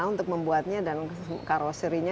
untuk membuatnya dan karoserinya